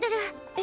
え？